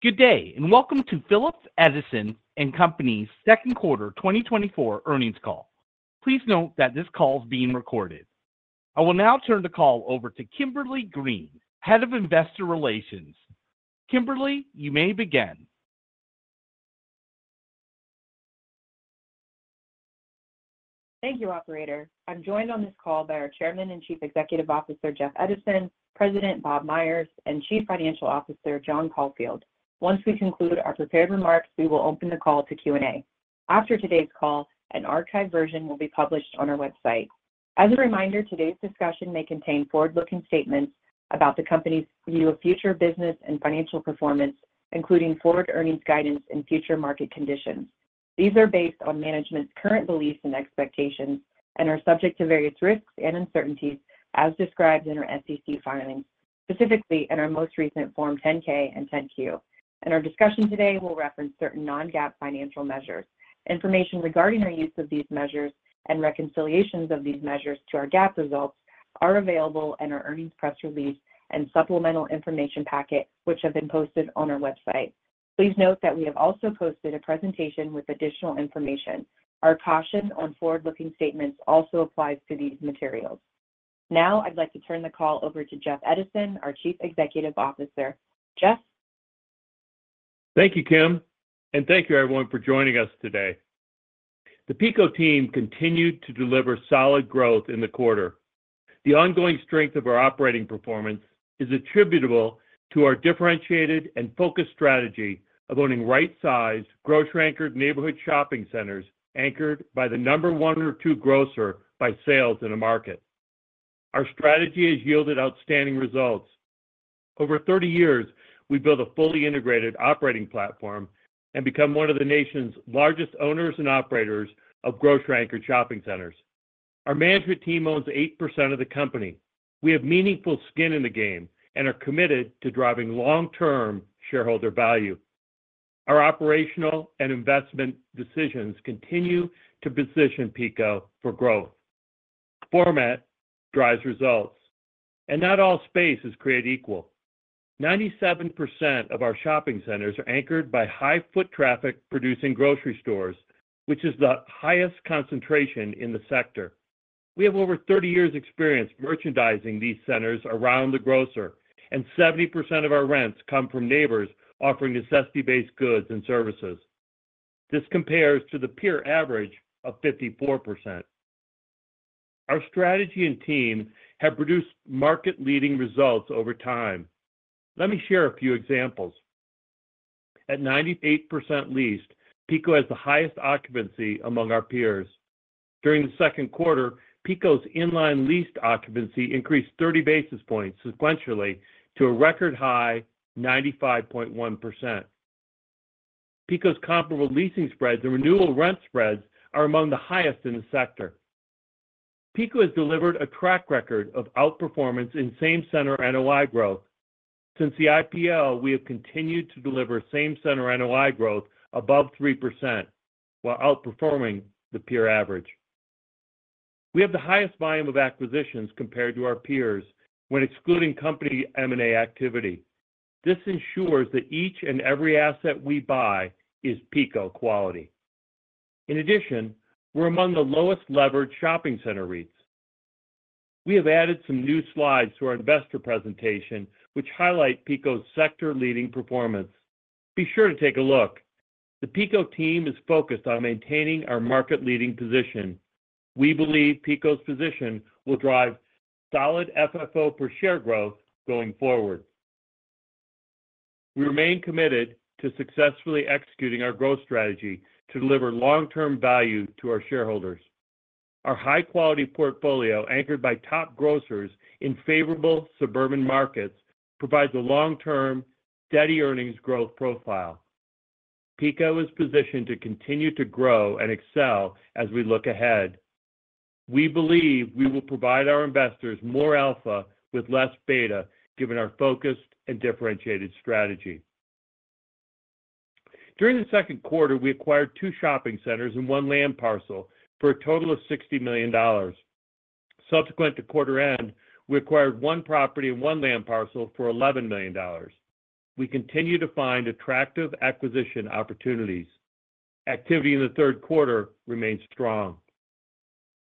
Good day, and welcome to Phillips Edison & Company's second quarter 2024 earnings call. Please note that this call is being recorded. I will now turn the call over to Kimberly Green, Head of Investor Relations. Kimberly, you may begin. Thank you, Operator. I'm joined on this call by our Chairman and Chief Executive Officer, Jeff Edison, President Bob Myers, and Chief Financial Officer, John Caulfield. Once we conclude our prepared remarks, we will open the call to Q&A. After today's call, an archived version will be published on our website. As a reminder, today's discussion may contain forward-looking statements about the company's view of future business and financial performance, including forward earnings guidance and future market conditions. These are based on management's current beliefs and expectations and are subject to various risks and uncertainties, as described in our SEC filings, specifically in our most recent Form 10-K and 10-Q. In our discussion today, we'll reference certain non-GAAP financial measures. Information regarding our use of these measures and reconciliations of these measures to our GAAP results are available in our earnings press release and supplemental information packet, which have been posted on our website. Please note that we have also posted a presentation with additional information. Our caution on forward-looking statements also applies to these materials. Now, I'd like to turn the call over to Jeff Edison, our Chief Executive Officer. Jeff? Thank you, Kim, and thank you, everyone, for joining us today. The PECO team continued to deliver solid growth in the quarter. The ongoing strength of our operating performance is attributable to our differentiated and focused strategy of owning right-sized, grocery-anchored neighborhood shopping centers anchored by the number one or two grocer by sales in a market. Our strategy has yielded outstanding results. Over 30 years, we built a fully integrated operating platform and became one of the nation's largest owners and operators of grocery-anchored shopping centers. Our management team owns 8% of the company. We have meaningful skin in the game and are committed to driving long-term shareholder value. Our operational and investment decisions continue to position PECO for growth. Format drives results, and not all spaces create equal. 97% of our shopping centers are anchored by high-foot traffic-producing grocery stores, which is the highest concentration in the sector. We have over 30 years' experience merchandising these centers around the grocer, and 70% of our rents come from neighbors offering necessity-based goods and services. This compares to the peer average of 54%. Our strategy and team have produced market-leading results over time. Let me share a few examples. At 98% leased, PECO has the highest occupancy among our peers. During the second quarter, PECO's inline leased occupancy increased 30 basis points sequentially to a record high, 95.1%. PECO's comparable leasing spreads and renewal rent spreads are among the highest in the sector. PECO has delivered a track record of outperformance in same-center NOI growth. Since the IPO, we have continued to deliver same-center NOI growth above 3% while outperforming the peer average. We have the highest volume of acquisitions compared to our peers when excluding company M&A activity. This ensures that each and every asset we buy is PECO quality. In addition, we're among the lowest-leveraged shopping center REITs. We have added some new slides to our investor presentation, which highlight PECO's sector-leading performance. Be sure to take a look. The PECO team is focused on maintaining our market-leading position. We believe PECO's position will drive solid FFO per share growth going forward. We remain committed to successfully executing our growth strategy to deliver long-term value to our shareholders. Our high-quality portfolio, anchored by top grocers in favorable suburban markets, provides a long-term, steady earnings growth profile. PECO is positioned to continue to grow and excel as we look ahead. We believe we will provide our investors more alpha with less beta, given our focused and differentiated strategy. During the second quarter, we acquired two shopping centers and one land parcel for a total of $60 million. Subsequent to quarter end, we acquired one property and one land parcel for $11 million. We continue to find attractive acquisition opportunities. Activity in the third quarter remains strong.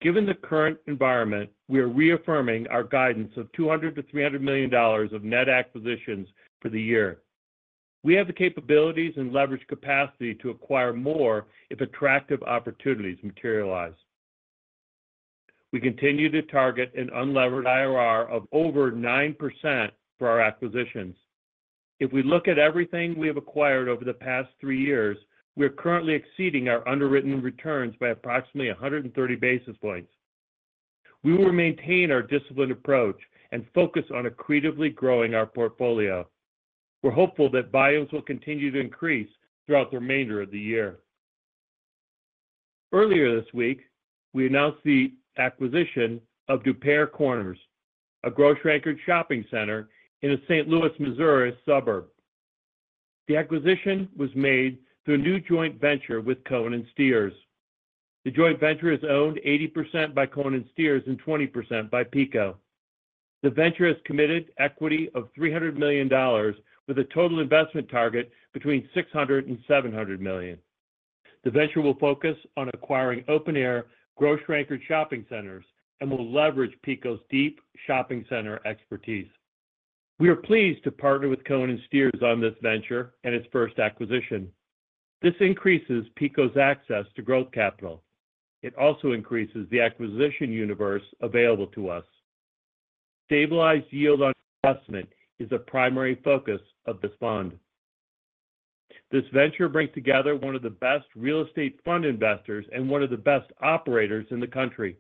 Given the current environment, we are reaffirming our guidance of $200-$300 million of net acquisitions for the year. We have the capabilities and leverage capacity to acquire more if attractive opportunities materialize. We continue to target an unleveraged IRR of over 9% for our acquisitions. If we look at everything we have acquired over the past three years, we are currently exceeding our underwritten returns by approximately 130 basis points. We will maintain our disciplined approach and focus on accretively growing our portfolio. We're hopeful that volumes will continue to increase throughout the remainder of the year. Earlier this week, we announced the acquisition of Des Peres Corners, a grocery-anchored shopping center in a St. Louis, Missouri, suburb. The acquisition was made through a new joint venture with Cohen & Steers. The joint venture is owned 80% by Cohen & Steers and 20% by PECO. The venture has committed equity of $300 million, with a total investment target between $600-$700 million. The venture will focus on acquiring open-air, grocery-anchored shopping centers and will leverage PECO's deep shopping center expertise. We are pleased to partner with Cohen & Steers on this venture and its first acquisition. This increases PECO's access to growth capital. It also increases the acquisition universe available to us. Stabilized yield on investment is the primary focus of this fund. This venture brings together one of the best real estate fund investors and one of the best operators in the country.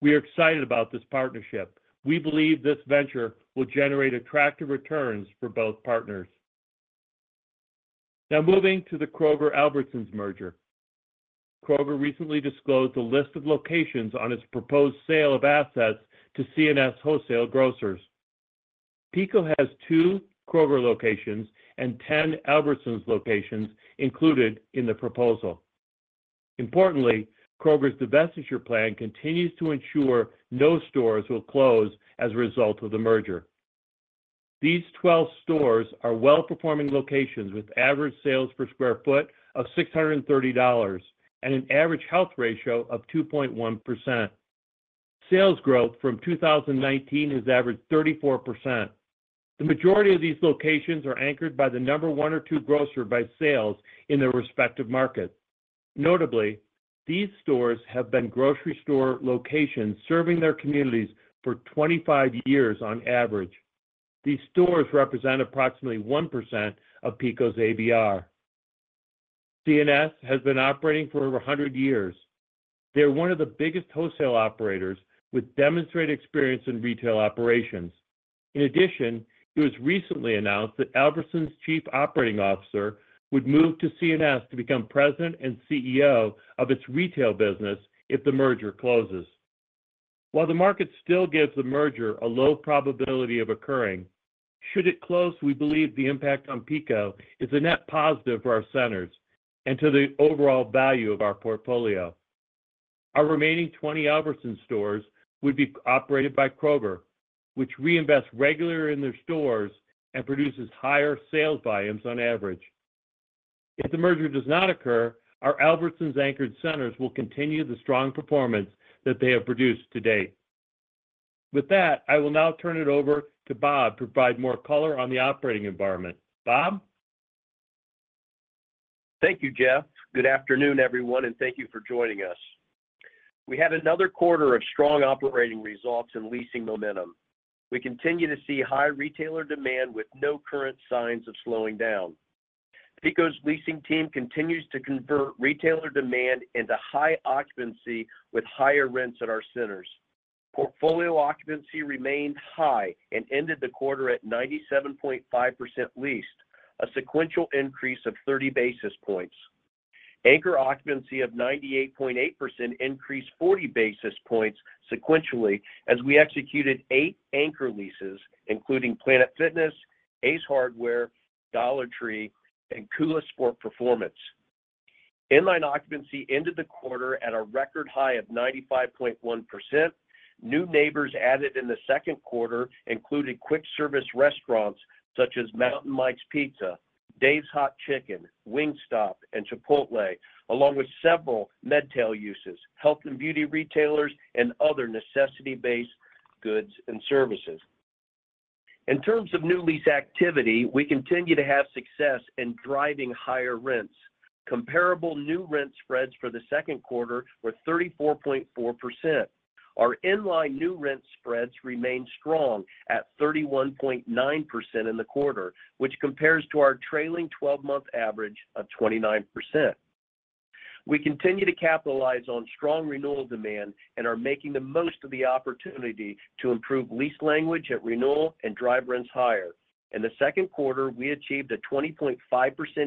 We are excited about this partnership. We believe this venture will generate attractive returns for both partners. Now, moving to the Kroger-Albertsons merger. Kroger recently disclosed a list of locations on its proposed sale of assets to C&S Wholesale Grocers. PECO has two Kroger locations and 10 Albertsons locations included in the proposal. Importantly, Kroger's divestiture plan continues to ensure no stores will close as a result of the merger. These 12 stores are well-performing locations with average sales per square foot of $630 and an average health ratio of 2.1%. Sales growth from 2019 has averaged 34%. The majority of these locations are anchored by the number one or two grocer by sales in their respective market. Notably, these stores have been grocery store locations serving their communities for 25 years on average. These stores represent approximately 1% of PECO's ABR. C&S has been operating for over 100 years. They are one of the biggest wholesale operators with demonstrated experience in retail operations. In addition, it was recently announced that Albertsons' Chief Operating Officer would move to C&S to become President and CEO of its retail business if the merger closes. While the market still gives the merger a low probability of occurring, should it close, we believe the impact on PECO is a net positive for our centers and to the overall value of our portfolio. Our remaining 20 Albertsons stores would be operated by Kroger, which reinvests regularly in their stores and produces higher sales volumes on average. If the merger does not occur, our Albertsons-anchored centers will continue the strong performance that they have produced to date. With that, I will now turn it over to Bob to provide more color on the operating environment. Bob? Thank you, Jeff. Good afternoon, everyone, and thank you for joining us. We had another quarter of strong operating results and leasing momentum. We continue to see high retailer demand with no current signs of slowing down. PECO's leasing team continues to convert retailer demand into high occupancy with higher rents at our centers. Portfolio occupancy remained high and ended the quarter at 97.5% leased, a sequential increase of 30 basis points. Anchor occupancy of 98.8% increased 40 basis points sequentially as we executed eight anchor leases, including Planet Fitness, Ace Hardware, Dollar Tree, and Kula Sports Performance. Inline occupancy ended the quarter at a record high of 95.1%. New neighbors added in the second quarter included quick-service restaurants such as Mountain Mike's Pizza, Dave's Hot Chicken, Wingstop, and Chipotle, along with several MedTail uses, health and beauty retailers, and other necessity-based goods and services. In terms of new lease activity, we continue to have success in driving higher rents. Comparable new rent spreads for the second quarter were 34.4%. Our inline new rent spreads remained strong at 31.9% in the quarter, which compares to our trailing 12-month average of 29%. We continue to capitalize on strong renewal demand and are making the most of the opportunity to improve lease language at renewal and drive rents higher. In the second quarter, we achieved a 20.5%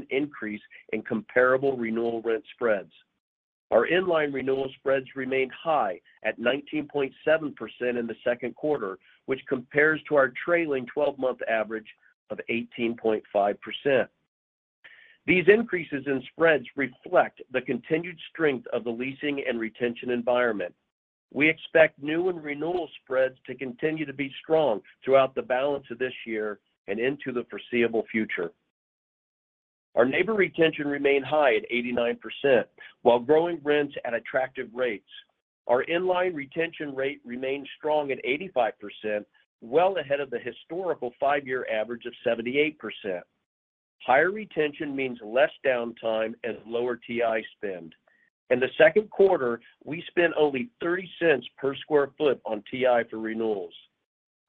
increase in comparable renewal rent spreads. Our inline renewal spreads remained high at 19.7% in the quarter, which compares to our trailing 12-month average of 18.5%. These increases in spreads reflect the continued strength of the leasing and retention environment. We expect new and renewal spreads to continue to be strong throughout the balance of this year and into the foreseeable future. Our neighbor retention remained high at 89%, while growing rents at attractive rates. Our inline retention rate remained strong at 85%, well ahead of the historical five-year average of 78%. Higher retention means less downtime and lower TI spend. In the second quarter, we spent only $0.30 per sq. ft. on TI for renewals.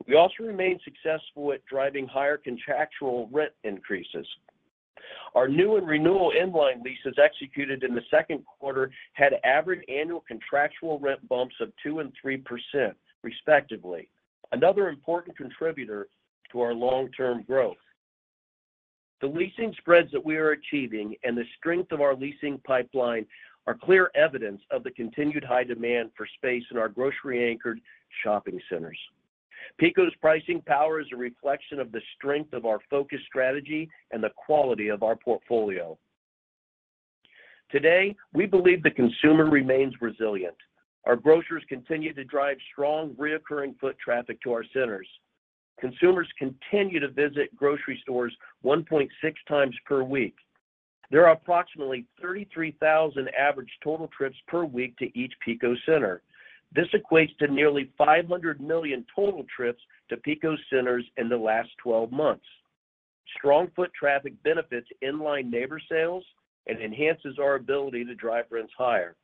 We also remained successful at driving higher contractual rent increases. Our new and renewal inline leases executed in the second quarter had average annual contractual rent bumps of 2% and 3%, respectively, another important contributor to our long-term growth. The leasing spreads that we are achieving and the strength of our leasing pipeline are clear evidence of the continued high demand for space in our grocery-anchored shopping centers. PECO's pricing power is a reflection of the strength of our focused strategy and the quality of our portfolio. Today, we believe the consumer remains resilient. Our grocers continue to drive strong recurring foot traffic to our centers. Consumers continue to visit grocery stores 1.6x per week. There are approximately 33,000 average total trips per week to each PECO center. This equates to nearly 500 million total trips to PECO centers in the last 12 months. Strong foot traffic benefits inline neighbor sales and enhances our ability to drive rents higher.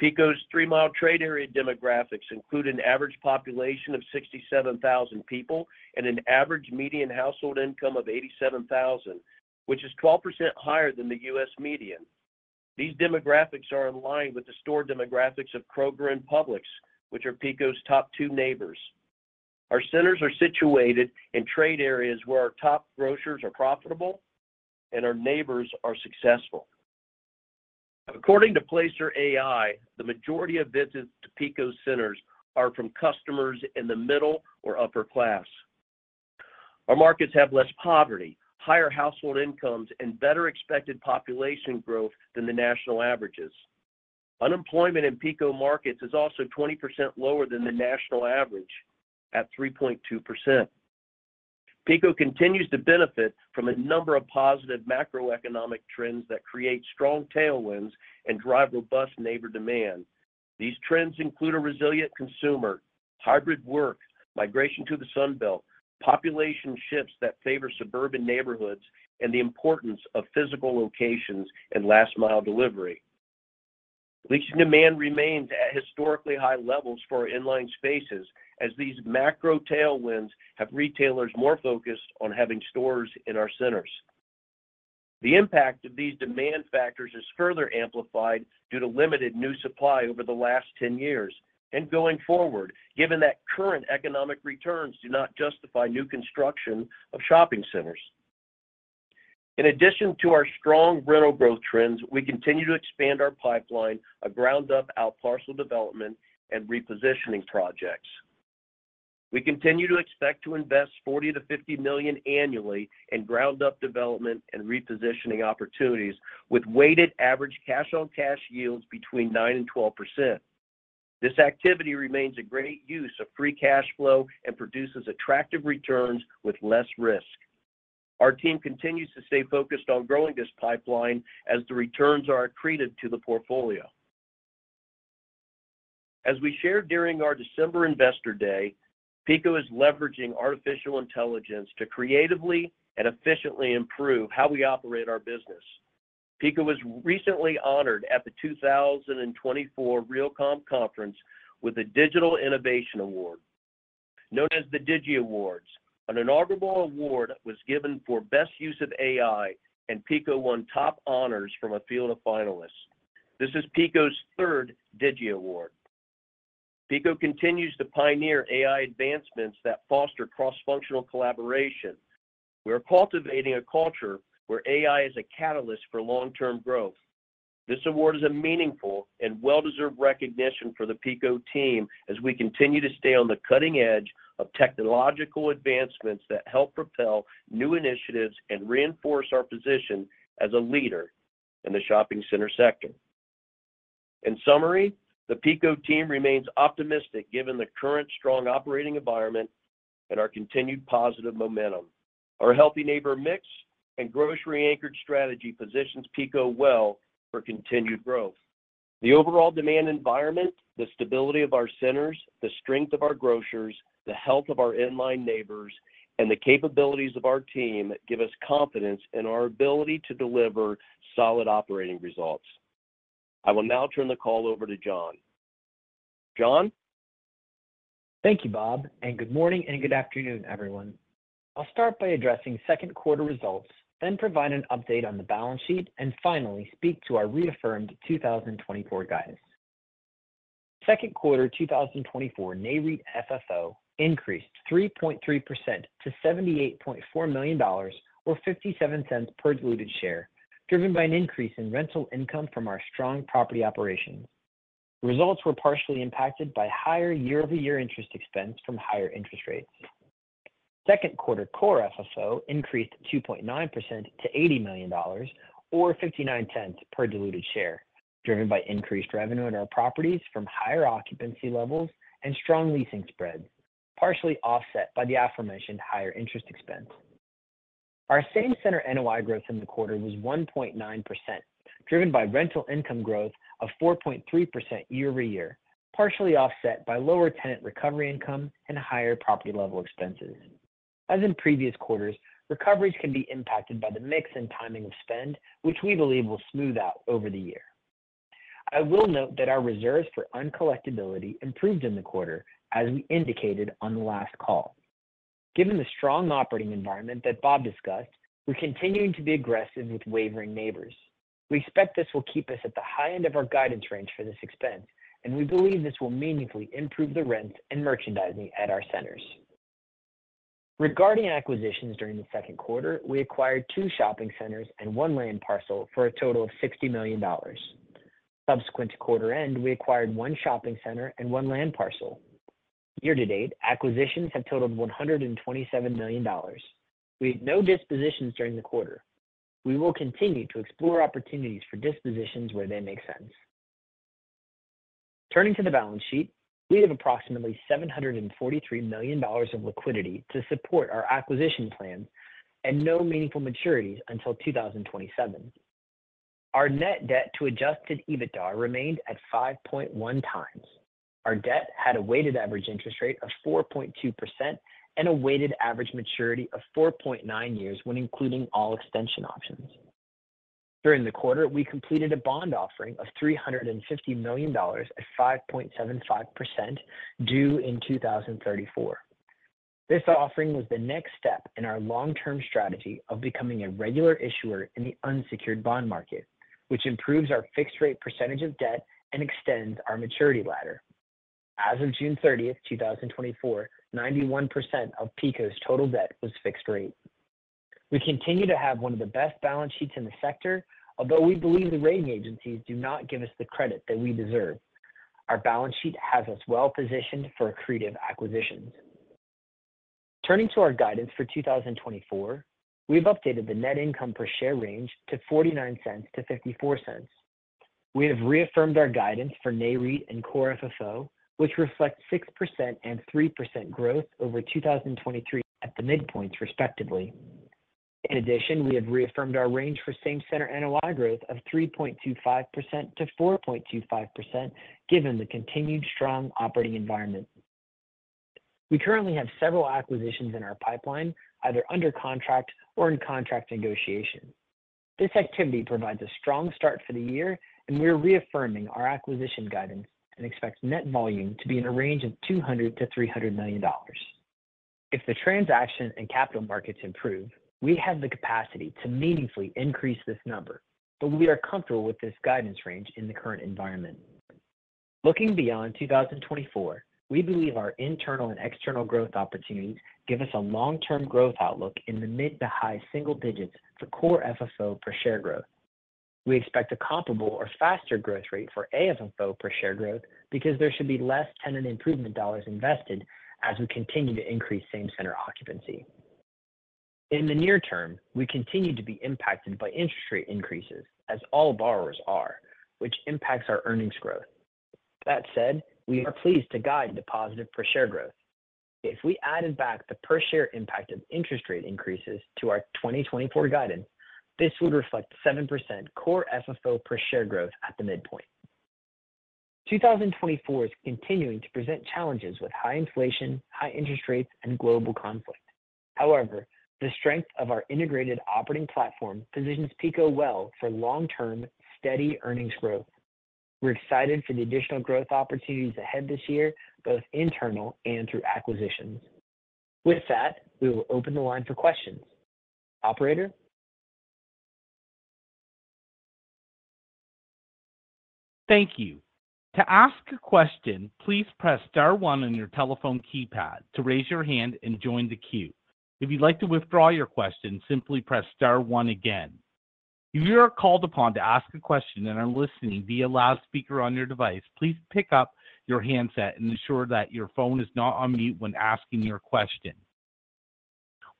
PECO's three-mile trade area demographics include an average population of 67,000 people and an average median household income of 87,000, which is 12% higher than the U.S. median. These demographics are in line with the store demographics of Kroger and Publix, which are PECO's top two neighbors. Our centers are situated in trade areas where our top grocers are profitable and our neighbors are successful. According to Placer.ai, the majority of visits to PECO centers are from customers in the middle or upper class. Our markets have less poverty, higher household incomes, and better expected population growth than the national averages. Unemployment in PECO markets is also 20% lower than the national average at 3.2%. PECO continues to benefit from a number of positive macroeconomic trends that create strong tailwinds and drive robust neighbor demand. These trends include a resilient consumer, hybrid work, migration to the Sunbelt, population shifts that favor suburban neighborhoods, and the importance of physical locations and last-mile delivery. Leasing demand remains at historically high levels for our inline spaces as these macro tailwinds have retailers more focused on having stores in our centers. The impact of these demand factors is further amplified due to limited new supply over the last 10 years and going forward, given that current economic returns do not justify new construction of shopping centers. In addition to our strong rental growth trends, we continue to expand our pipeline of ground-up outparcel development and repositioning projects. We continue to expect to invest $40-$50 million annually in ground-up development and repositioning opportunities with weighted average cash-on-cash yields between 9-12%. This activity remains a great use of free cash flow and produces attractive returns with less risk. Our team continues to stay focused on growing this pipeline as the returns are accretive to the portfolio. As we shared during our December Investor Day, PECO is leveraging artificial intelligence to creatively and efficiently improve how we operate our business. PECO was recently honored at the 2024 Realcomm Conference with a Digital Innovation Award. Known as the Digie Awards, an inaugural award was given for best use of AI, and PECO won top honors from a field of finalists. This is PECO's third Digie Award. PECO continues to pioneer AI advancements that foster cross-functional collaboration. We are cultivating a culture where AI is a catalyst for long-term growth. This award is a meaningful and well-deserved recognition for the PECO team as we continue to stay on the cutting edge of technological advancements that help propel new initiatives and reinforce our position as a leader in the shopping center sector. In summary, the PECO team remains optimistic given the current strong operating environment and our continued positive momentum. Our healthy neighbor mix and grocery-anchored strategy positions PECO well for continued growth. The overall demand environment, the stability of our centers, the strength of our grocers, the health of our inline neighbors, and the capabilities of our team give us confidence in our ability to deliver solid operating results. I will now turn the call over to John. John? Thank you, Bob, and good morning and good afternoon, everyone. I'll start by addressing second quarter results, then provide an update on the balance sheet, and finally speak to our reaffirmed 2024 guidance. Second quarter 2024, Nareit FFO increased 3.3% to $78.4 million, or $0.57 per diluted share, driven by an increase in rental income from our strong property operations. Results were partially impacted by higher year-over-year interest expense from higher interest rates. Second quarter, Core FFO increased 2.9% to $80 million, or $0.59 per diluted share, driven by increased revenue at our properties from higher occupancy levels and strong leasing spreads, partially offset by the aforementioned higher interest expense. Our Same-Center NOI growth in the quarter was 1.9%, driven by rental income growth of 4.3% year-over-year, partially offset by lower tenant recovery income and higher property-level expenses. As in previous quarters, recoveries can be impacted by the mix and timing of spend, which we believe will smooth out over the year. I will note that our reserves for uncollectibility improved in the quarter, as we indicated on the last call. Given the strong operating environment that Bob discussed, we're continuing to be aggressive with wavering neighbors. We expect this will keep us at the high end of our guidance range for this expense, and we believe this will meaningfully improve the rents and merchandising at our centers. Regarding acquisitions during the second quarter, we acquired two shopping centers and one land parcel for a total of $60 million. Subsequent to quarter end, we acquired one shopping center and one land parcel. Year-to-date, acquisitions have totaled $127 million. We had no dispositions during the quarter. We will continue to explore opportunities for dispositions where they make sense. Turning to the balance sheet, we have approximately $743 million of liquidity to support our acquisition plans and no meaningful maturities until 2027. Our net debt to adjusted EBITDA remained at 5.1x. Our debt had a weighted average interest rate of 4.2% and a weighted average maturity of 4.9 years when including all extension options. During the quarter, we completed a bond offering of $350 million at 5.75% due in 2034. This offering was the next step in our long-term strategy of becoming a regular issuer in the unsecured bond market, which improves our fixed-rate percentage of debt and extends our maturity ladder. As of June 30, 2024, 91% of PECO's total debt was fixed rate. We continue to have one of the best balance sheets in the sector, although we believe the rating agencies do not give us the credit that we deserve. Our balance sheet has us well-positioned for accretive acquisitions. Turning to our guidance for 2024, we have updated the net income per share range to $0.49-$0.54. We have reaffirmed our guidance for Nareit and Core FFO, which reflect 6% and 3% growth over 2023 at the midpoints, respectively. In addition, we have reaffirmed our range for same-center NOI growth of 3.25-4.25% given the continued strong operating environment. We currently have several acquisitions in our pipeline, either under contract or in contract negotiation. This activity provides a strong start for the year, and we are reaffirming our acquisition guidance and expect net volume to be in a range of $200-$300 million. If the transaction and capital markets improve, we have the capacity to meaningfully increase this number, but we are comfortable with this guidance range in the current environment. Looking beyond 2024, we believe our internal and external growth opportunities give us a long-term growth outlook in the mid to high single digits for Core FFO per share growth. We expect a comparable or faster growth rate for AFFO per share growth because there should be less tenant improvement dollars invested as we continue to increase same center occupancy. In the near term, we continue to be impacted by interest rate increases, as all borrowers are, which impacts our earnings growth. That said, we are pleased to guide the positive per share growth. If we added back the per share impact of interest rate increases to our 2024 guidance, this would reflect 7% Core FFO per share growth at the midpoint. 2024 is continuing to present challenges with high inflation, high interest rates, and global conflict. However, the strength of our integrated operating platform positions PECO well for long-term steady earnings growth. We're excited for the additional growth opportunities ahead this year, both internal and through acquisitions. With that, we will open the line for questions. Operator? Thank you. To ask a question, please press star one on your telephone keypad to raise your hand and join the queue. If you'd like to withdraw your question, simply press star one again. If you are called upon to ask a question and are listening via loudspeaker on your device, please pick up your handset and ensure that your phone is not on mute when asking your question.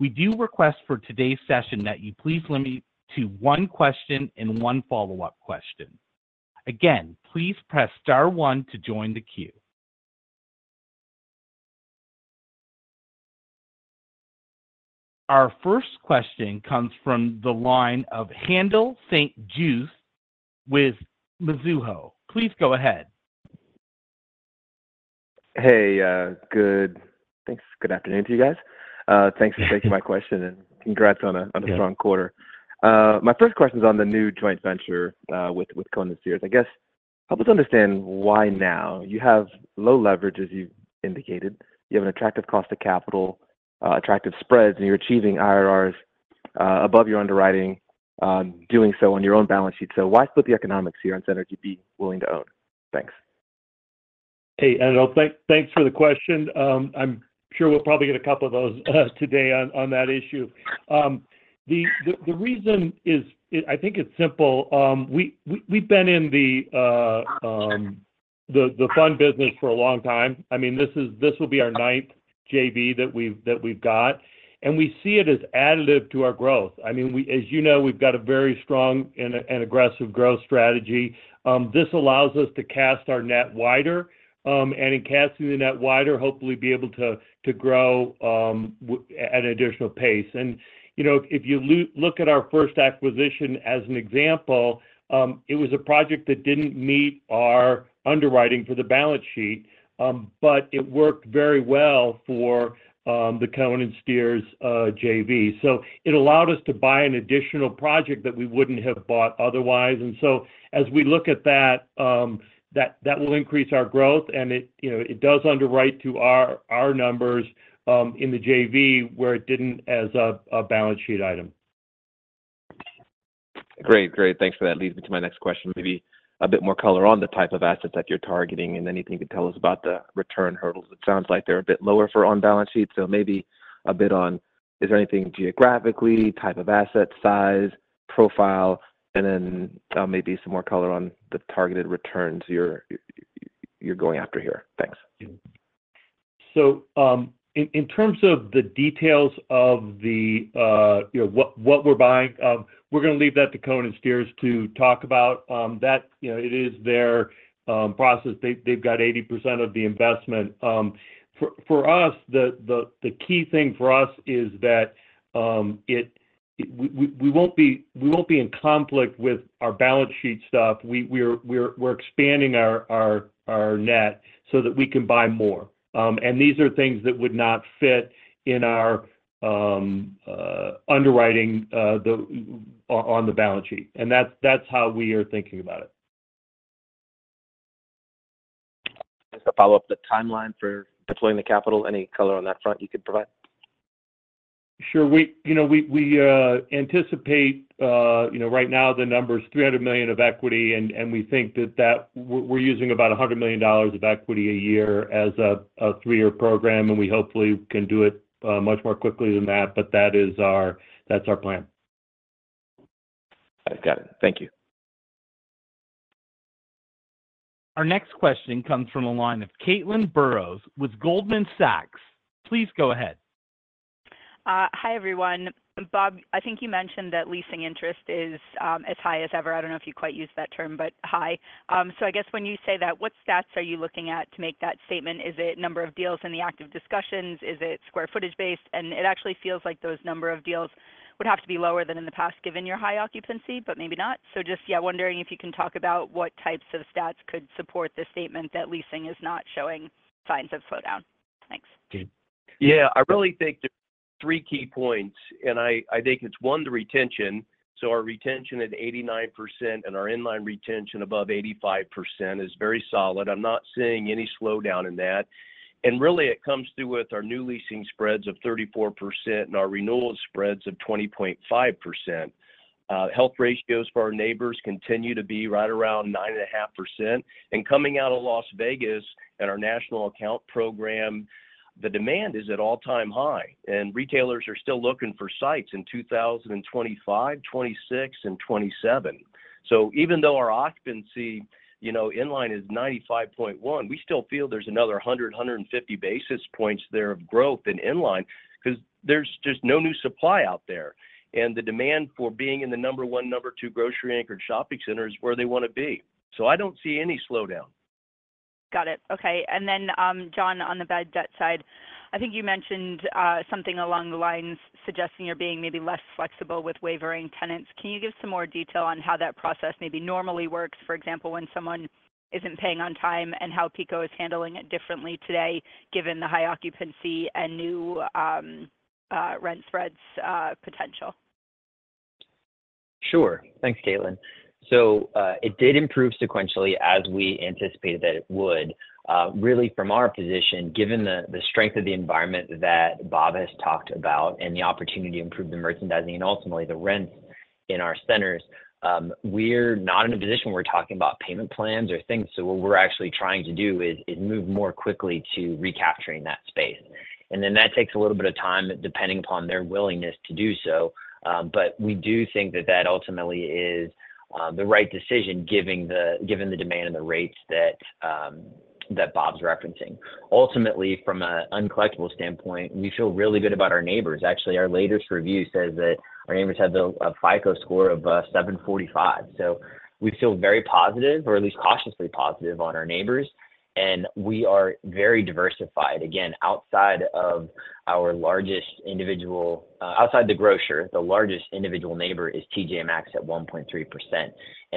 We do request for today's session that you please limit to one question and one follow-up question. Again, please press star one to join the queue. Our first question comes from the line of Haendel St. Juste with Mizuho. Please go ahead. Hey, good. Thanks. Good afternoon to you guys. Thanks for taking my question and congrats on a strong quarter. My first question is on the new joint venture with Cohen & Steers. I guess help us understand why now. You have low leverage, as you've indicated. You have an attractive cost of capital, attractive spreads, and you're achieving IRRs above your underwriting, doing so on your own balance sheet. So why split the economics here on centers you'd be willing to own? Thanks. Hey, Haendel, thanks for the question. I'm sure we'll probably get a couple of those today on that issue. The reason is, I think it's simple. We've been in the fund business for a long time. I mean, this will be our ninth JV that we've got, and we see it as additive to our growth. I mean, as you know, we've got a very strong and aggressive growth strategy. This allows us to cast our net wider, and in casting the net wider, hopefully be able to grow at an additional pace. If you look at our first acquisition as an example, it was a project that didn't meet our underwriting for the balance sheet, but it worked very well for the Cohen & Steers JV. It allowed us to buy an additional project that we wouldn't have bought otherwise. And so as we look at that, that will increase our growth, and it does underwrite to our numbers in the JV where it didn't as a balance sheet item. Great, great. Thanks for that. Leads me to my next question. Maybe a bit more color on the type of assets that you're targeting and anything you could tell us about the return hurdles. It sounds like they're a bit lower for on-balance sheet, so maybe a bit on, is there anything geographically, type of asset, size, profile, and then maybe some more color on the targeted returns you're going after here. Thanks. In terms of the details of what we're buying, we're going to leave that to Cohen & Steers to talk about. It is their process. They've got 80% of the investment. For us, the key thing for us is that we won't be in conflict with our balance sheet stuff. We're expanding our net so that we can buy more. These are things that would not fit in our underwriting on the balance sheet. That's how we are thinking about it. Just a follow-up. The timeline for deploying the capital, any color on that front you could provide? Sure. We anticipate right now the number is $300 million of equity, and we think that we're using about $100 million of equity a year as a 3-year program, and we hopefully can do it much more quickly than that, but that's our plan. Got it. Thank you. Our next question comes from a line of Caitlin Burrows with Goldman Sachs. Please go ahead. Hi, everyone. Bob, I think you mentioned that leasing interest is as high as ever. I don't know if you quite use that term, but high. So I guess when you say that, what stats are you looking at to make that statement? Is it number of deals in the active discussions? Is it square footage based? And it actually feels like those number of deals would have to be lower than in the past given your high occupancy, but maybe not. So just, yeah, wondering if you can talk about what types of stats could support the statement that leasing is not showing signs of slowdown. Thanks. Yeah. I really think there are three key points, and I think it's one, the retention. So our retention at 89% and our inline retention above 85% is very solid. I'm not seeing any slowdown in that. And really, it comes through with our new leasing spreads of 34% and our renewal spreads of 20.5%. Health ratios for our neighbors continue to be right around 9.5%. And coming out of Las Vegas and our national account program, the demand is at all-time high. And retailers are still looking for sites in 2025, 2026, and 2027. So even though our occupancy inline is 95.1, we still feel there's another 100, 150 basis points there of growth in inline because there's just no new supply out there. And the demand for being in the number one, number two grocery-anchored shopping center is where they want to be. I don't see any slowdown. Got it. Okay. And then, John, on the bad debt side, I think you mentioned something along the lines suggesting you're being maybe less flexible with wavering tenants. Can you give some more detail on how that process maybe normally works, for example, when someone isn't paying on time and how PECO is handling it differently today given the high occupancy and new rent spreads potential? Sure. Thanks, Caitlin. So it did improve sequentially as we anticipated that it would. Really, from our position, given the strength of the environment that Bob has talked about and the opportunity to improve the merchandising and ultimately the rents in our centers, we're not in a position where we're talking about payment plans or things. So what we're actually trying to do is move more quickly to recapturing that space. And then that takes a little bit of time depending upon their willingness to do so. But we do think that that ultimately is the right decision given the demand and the rates that Bob's referencing. Ultimately, from an uncollectible standpoint, we feel really good about our neighbors. Actually, our latest review says that our neighbors have a FICO score of 745. So we feel very positive, or at least cautiously positive, on our neighbors. We are very diversified. Again, outside of our largest individual, outside the grocer, the largest individual neighbor is T.J. Maxx at 1.3%.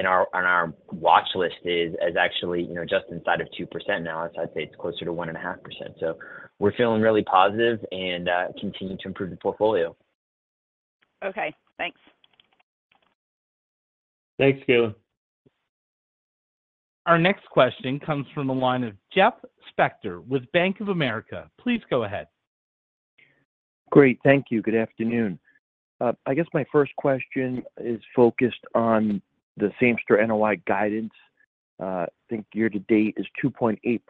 Our watch list is actually just inside of 2% now. I'd say it's closer to 1.5%. We're feeling really positive and continue to improve the portfolio. Okay. Thanks. Thanks, Caitlin. Our next question comes from a line of Jeff Spector with Bank of America. Please go ahead. Great. Thank you. Good afternoon. I guess my first question is focused on the same store NOI guidance. I think year to date is 2.8%.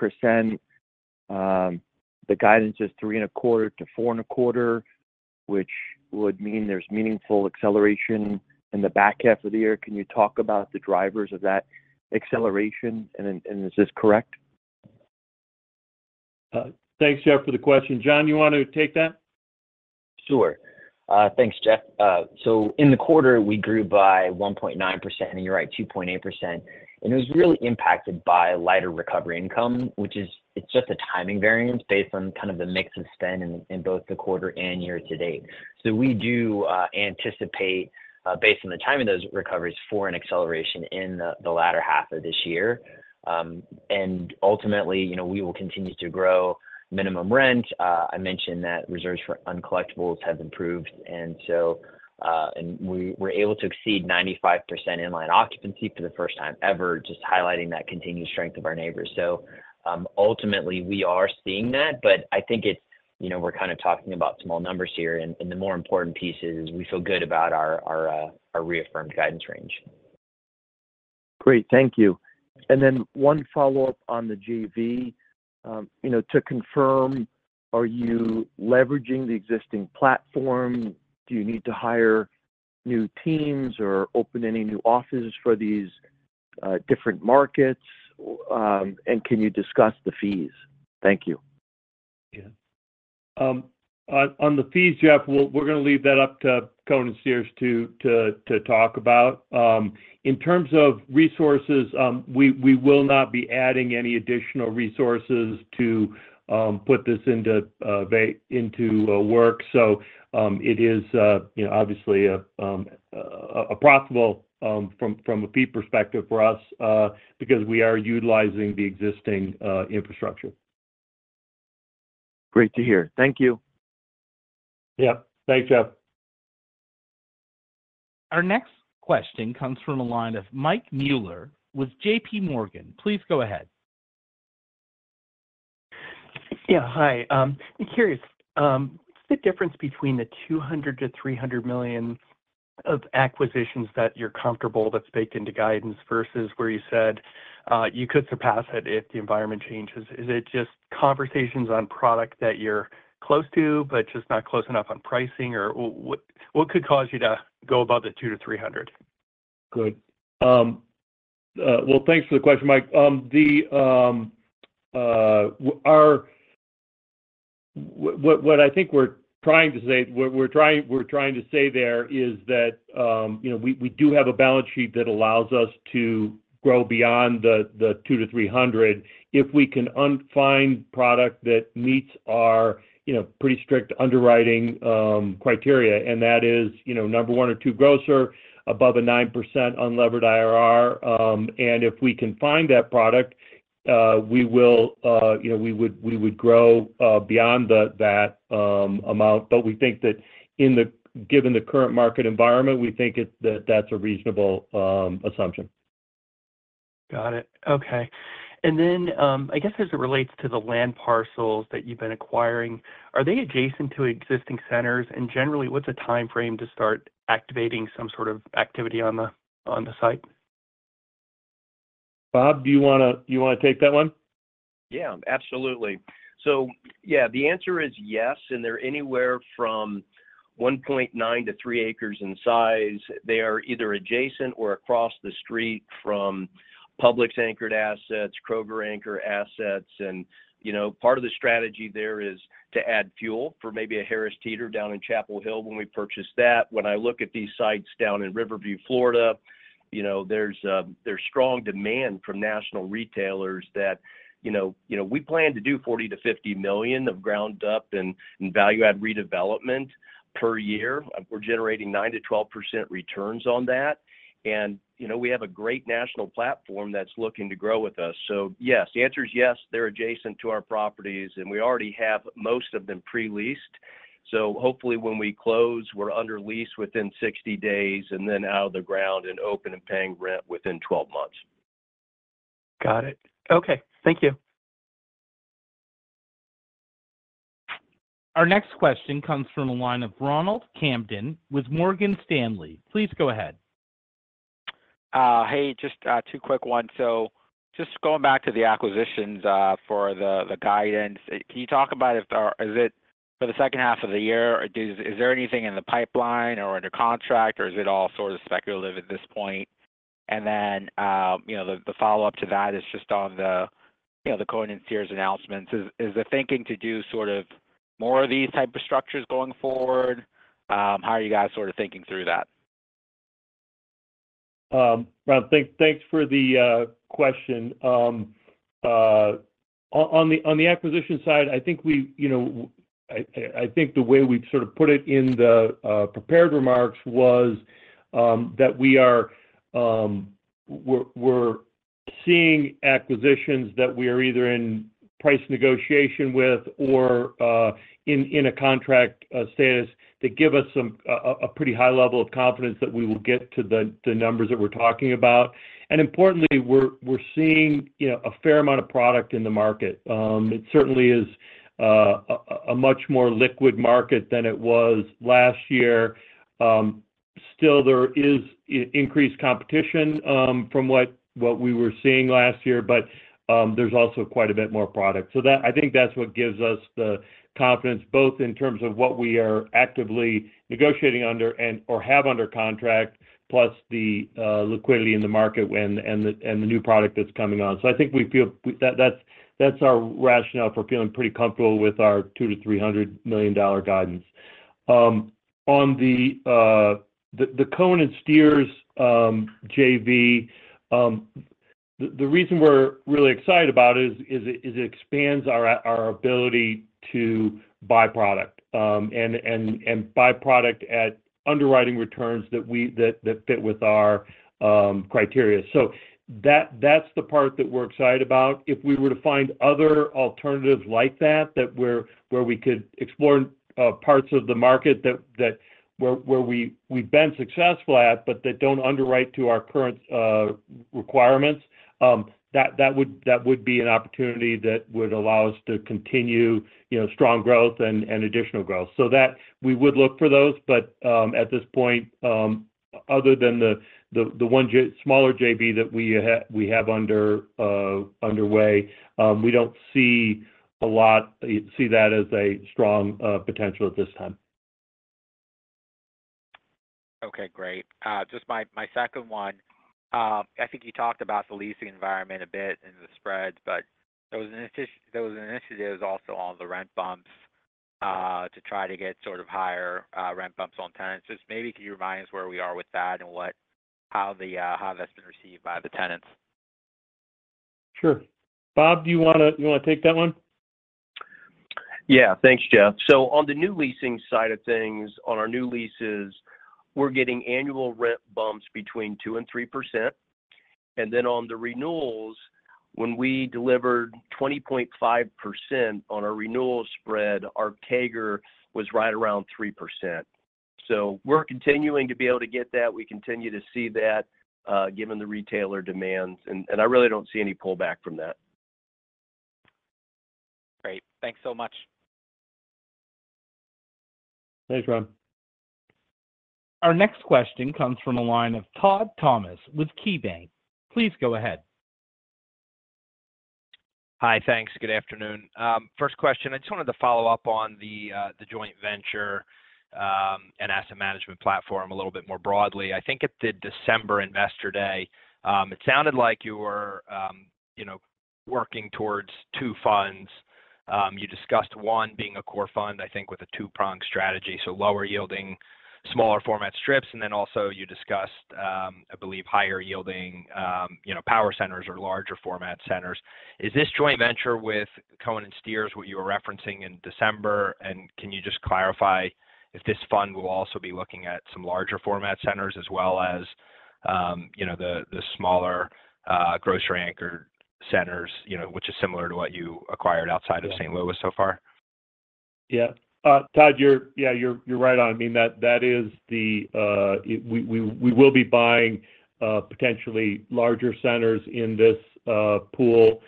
The guidance is 3.25-4.25%, which would mean there's meaningful acceleration in the back half of the year. Can you talk about the drivers of that acceleration, and is this correct? Thanks, Jeff, for the question. John, you want to take that? Sure. Thanks, Jeff. So in the quarter, we grew by 1.9%, and you're right, 2.8%. And it was really impacted by lighter recovery income, which is just a timing variance based on kind of the mix of spend in both the quarter and year to date. So we do anticipate, based on the timing of those recoveries, for an acceleration in the latter half of this year. And ultimately, we will continue to grow minimum rent. I mentioned that reserves for uncollectibles have improved, and we're able to exceed 95% inline occupancy for the first time ever, just highlighting that continued strength of our neighbors. So ultimately, we are seeing that, but I think we're kind of talking about small numbers here. And the more important piece is we feel good about our reaffirmed guidance range. Great. Thank you. And then one follow-up on the JV. To confirm, are you leveraging the existing platform? Do you need to hire new teams or open any new offices for these different markets? And can you discuss the fees? Thank you. Yeah. On the fees, Jeff, we're going to leave that up to Cohen & Steers to talk about. In terms of resources, we will not be adding any additional resources to put this into work. So it is obviously a profitable from a fee perspective for us because we are utilizing the existing infrastructure. Great to hear. Thank you. Yep. Thanks, Jeff. Our next question comes from a line of Mike Mueller with JPMorgan. Please go ahead. Yeah. Hi. I'm curious. What's the difference between the $200-$300 million of acquisitions that you're comfortable that's baked into guidance versus where you said you could surpass it if the environment changes? Is it just conversations on product that you're close to, but just not close enough on pricing? Or what could cause you to go above the $200-$300 million? Good. Well, thanks for the question, Mike. What I think we're trying to say, we're trying to say there is that we do have a balance sheet that allows us to grow beyond the 200-300 if we can find product that meets our pretty strict underwriting criteria. And that is number one or two grocer, above a 9% unlevered IRR. And if we can find that product, we would grow beyond that amount. But we think that given the current market environment, we think that that's a reasonable assumption. Got it. Okay. And then I guess as it relates to the land parcels that you've been acquiring, are they adjacent to existing centers? And generally, what's a timeframe to start activating some sort of activity on the site? Bob, do you want to take that one? Yeah. Absolutely. So yeah, the answer is yes. And they're anywhere from 1.9 to 3 acres in size. They are either adjacent or across the street from Publix-anchored assets, Kroger-anchored assets. And part of the strategy there is to add fuel for maybe a Harris Teeter down in Chapel Hill when we purchase that. When I look at these sites down in Riverview, Florida, there's strong demand from national retailers that we plan to do $40-$50 million of ground-up and value-add redevelopment per year. We're generating 9-12% returns on that. And we have a great national platform that's looking to grow with us. So yes, the answer is yes. They're adjacent to our properties, and we already have most of them pre-leased. Hopefully, when we close, we're under lease within 60 days and then out of the ground and open and paying rent within 12 months. Got it. Okay. Thank you. Our next question comes from a line of Ronald Kamdem with Morgan Stanley. Please go ahead. Hey, just two quick ones. So just going back to the acquisitions for the guidance, can you talk about it? Is it for the second half of the year? Is there anything in the pipeline or under contract, or is it all sort of speculative at this point? And then the follow-up to that is just on the Cohen & Steers announcements. Is the thinking to do sort of more of these type of structures going forward? How are you guys sort of thinking through that? Ron, thanks for the question. On the acquisition side, I think the way we've sort of put it in the prepared remarks was that we're seeing acquisitions that we are either in price negotiation with or in a contract status that give us a pretty high level of confidence that we will get to the numbers that we're talking about. And importantly, we're seeing a fair amount of product in the market. It certainly is a much more liquid market than it was last year. Still, there is increased competition from what we were seeing last year, but there's also quite a bit more product. So I think that's what gives us the confidence, both in terms of what we are actively negotiating under and/or have under contract, plus the liquidity in the market and the new product that's coming on. I think that's our rationale for feeling pretty comfortable with our $200-$300 million guidance. On the Cohen & Steers JV, the reason we're really excited about it is it expands our ability to buy product and buy product at underwriting returns that fit with our criteria. That's the part that we're excited about. If we were to find other alternatives like that, where we could explore parts of the market where we've been successful at, but that don't underwrite to our current requirements, that would be an opportunity that would allow us to continue strong growth and additional growth. We would look for those, but at this point, other than the smaller JV that we have underway, we don't see that as a strong potential at this time. Okay. Great. Just my second one. I think you talked about the leasing environment a bit and the spreads, but there was an initiative also on the rent bumps to try to get sort of higher rent bumps on tenants. Just maybe could you remind us where we are with that and how that's been received by the tenants? Sure. Bob, do you want to take that one? Yeah. Thanks, Jeff. So on the new leasing side of things, on our new leases, we're getting annual rent bumps between 2–3%. And then on the renewals, when we delivered 20.5% on our renewal spread, our CAGR was right around 3%. So we're continuing to be able to get that. We continue to see that given the retailer demands. And I really don't see any pullback from that. Great. Thanks so much. Thanks, Ron. Our next question comes from a line of Todd Thomas with KeyBanc. Please go ahead. Hi. Thanks. Good afternoon. First question. I just wanted to follow up on the joint venture and asset management platform a little bit more broadly. I think at the December Investor Day, it sounded like you were working towards two funds. You discussed one being a core fund, I think, with a two-pronged strategy, so lower-yielding, smaller-format strips. And then also you discussed, I believe, higher-yielding power centers or larger-format centers. Is this joint venture with Cohen & Steers what you were referencing in December? And can you just clarify if this fund will also be looking at some larger-format centers as well as the smaller grocery-anchored centers, which is similar to what you acquired outside of St. Louis so far? Yeah. Todd, yeah, you're right on. I mean, that is, we will be buying potentially larger centers in this pool,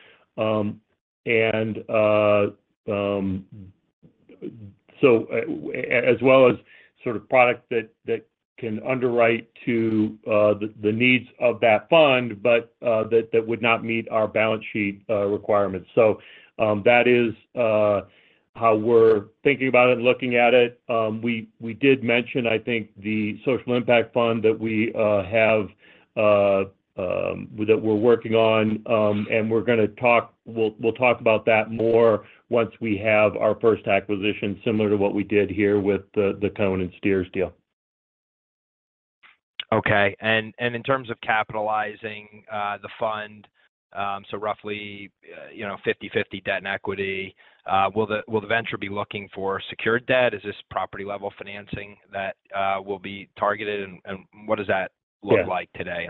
as well as sort of product that can underwrite to the needs of that fund, but that would not meet our balance sheet requirements. So that is how we're thinking about it and looking at it. We did mention, I think, the social impact fund that we have that we're working on. And we're going to talk about that more once we have our first acquisition, similar to what we did here with the Cohen & Steers deal. Okay. In terms of capitalizing the fund, so roughly 50/50 debt and equity, will the venture be looking for secured debt? Is this property-level financing that will be targeted? And what does that look like today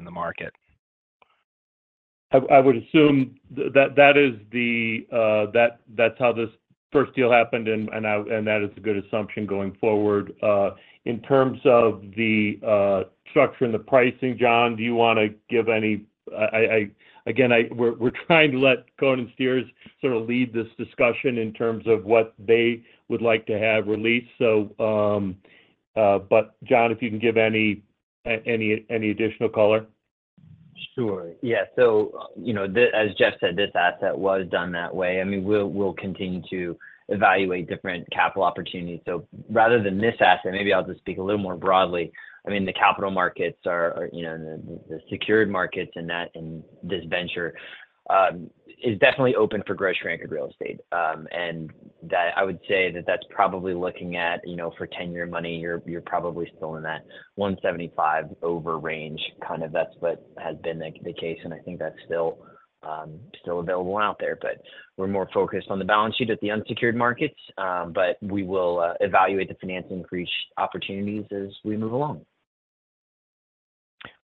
in the market? I would assume that that's how this first deal happened, and that is a good assumption going forward. In terms of the structure and the pricing, John, do you want to give any? Again, we're trying to let Cohen & Steers sort of lead this discussion in terms of what they would like to have released. But John, if you can give any additional color. Sure. Yeah. So as Jeff said, this asset was done that way. I mean, we'll continue to evaluate different capital opportunities. So rather than this asset, maybe I'll just speak a little more broadly. I mean, the capital markets are the secured markets in this venture is definitely open for grocery-anchored real estate. And I would say that that's probably looking at for 10-year money, you're probably still in that 175 over range. Kind of that's what has been the case. And I think that's still available out there. But we're more focused on the balance sheet at the unsecured markets. But we will evaluate the financing opportunities as we move along.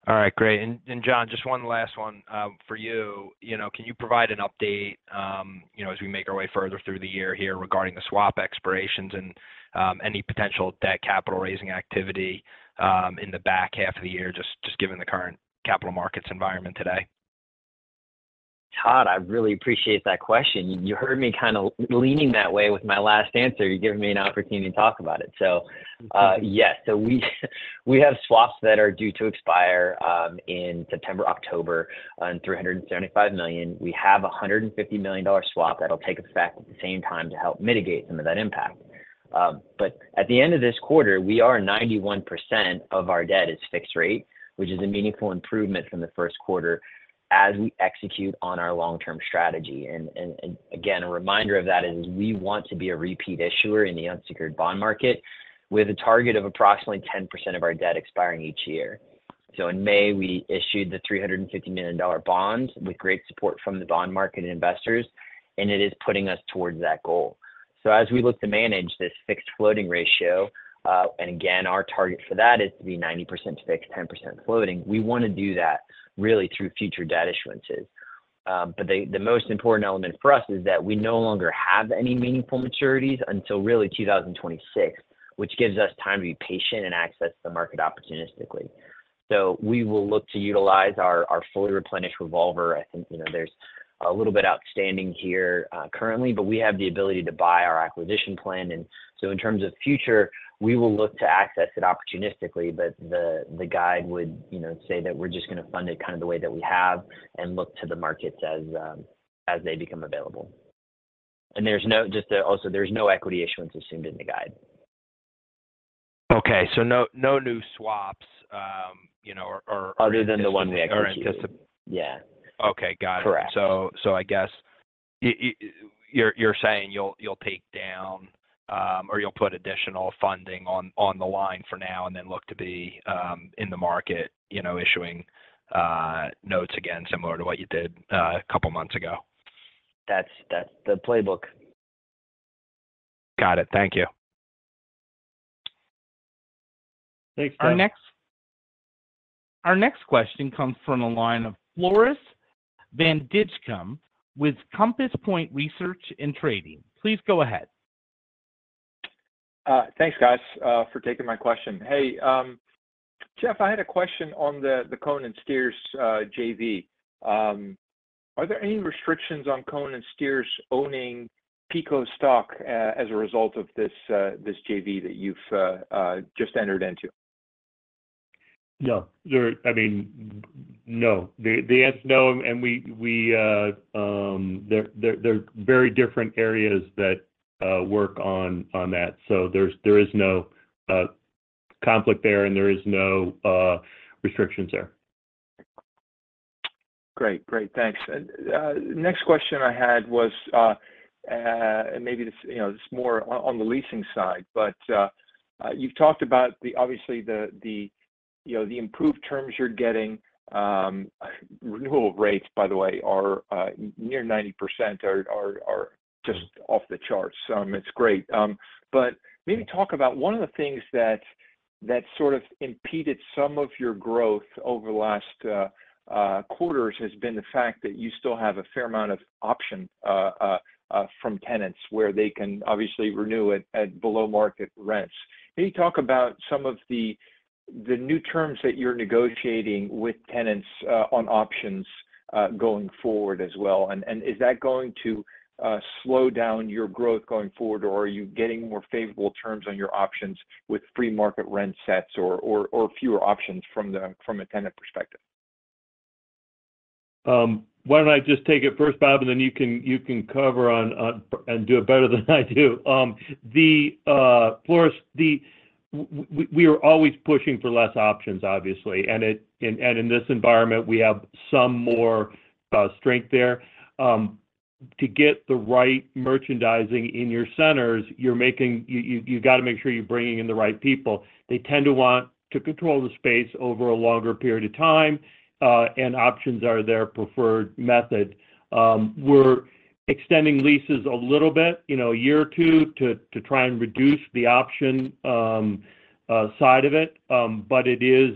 All right. Great. John, just one last one for you. Can you provide an update as we make our way further through the year here regarding the swap expirations and any potential debt capital raising activity in the back half of the year, just given the current capital markets environment today? Todd, I really appreciate that question. You heard me kind of leaning that way with my last answer. You're giving me an opportunity to talk about it. So yes. So we have swaps that are due to expire in September, October on $375 million. We have a $150 million swap that'll take effect at the same time to help mitigate some of that impact. But at the end of this quarter, we are 91% of our debt is fixed rate, which is a meaningful improvement from the first quarter as we execute on our long-term strategy. And again, a reminder of that is we want to be a repeat issuer in the unsecured bond market with a target of approximately 10% of our debt expiring each year. So in May, we issued the $350 million bond with great support from the bond market investors. It is putting us towards that goal. So as we look to manage this fixed floating ratio, and again, our target for that is to be 90% fixed, 10% floating, we want to do that really through future debt issuances. But the most important element for us is that we no longer have any meaningful maturities until really 2026, which gives us time to be patient and access the market opportunistically. So we will look to utilize our fully replenished revolver. I think there's a little bit outstanding here currently, but we have the ability to buy our acquisition plan. And so in terms of future, we will look to access it opportunistically. But the guide would say that we're just going to fund it kind of the way that we have and look to the markets as they become available. There's no equity issuance assumed in the guide. Okay. So no new swaps or. Other than the one we actually just. Oh, you anticipate. Yeah. Correct Okay. Got it. I guess you're saying you'll take down or you'll put additional funding on the line for now and then look to be in the market issuing notes again similar to what you did a couple of months ago. That's the playbook. Got it. Thank you. Thanks, Todd. Our next question comes from a line of Floris van Dijkum with Compass Point Research & Trading. Please go ahead. Thanks, guys, for taking my question. Hey, Jeff, I had a question on the Cohen & Steers JV. Are there any restrictions on Cohen & Steers owning PECO stock as a result of this JV that you've just entered into? No. I mean, no. The answer's no. And they're very different areas that work on that. So there is no conflict there, and there are no restrictions there. Great. Great. Thanks. Next question I had was, and maybe this is more on the leasing side, but you've talked about, obviously, the improved terms you're getting. Renewal rates, by the way, are near 90%, are just off the charts. So it's great. But maybe talk about one of the things that sort of impeded some of your growth over the last quarters has been the fact that you still have a fair amount of options from tenants where they can obviously renew at below-market rents. Can you talk about some of the new terms that you're negotiating with tenants on options going forward as well? And is that going to slow down your growth going forward, or are you getting more favorable terms on your options with free market rent sets or fewer options from a tenant perspective? Why don't I just take it first, Bob, and then you can cover and do it better than I do. Floris, we are always pushing for less options, obviously. And in this environment, we have some more strength there. To get the right merchandising in your centers, you've got to make sure you're bringing in the right people. They tend to want to control the space over a longer period of time, and options are their preferred method. We're extending leases a little bit, a year or two, to try and reduce the option side of it. But it is,